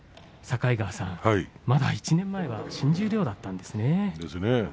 境川さん、まだ１年前は新十両だったんですね。